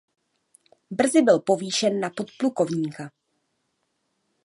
Brzy byl povýšen na podplukovníka.